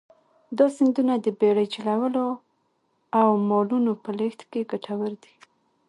دا سیندونه د بېړۍ چلولو او مالونو په لېږد کې کټوردي.